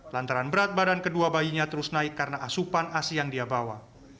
lantaran berat badan kedua bayinya terus naik karena asupan asi yang dia bawa